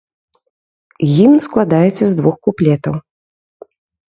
Гімн складаецца з двух куплетаў.